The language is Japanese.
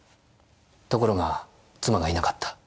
ところが妻がいなかった。